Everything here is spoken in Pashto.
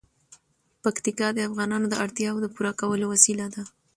پکتیکا د افغانانو د اړتیاوو د پوره کولو وسیله ده.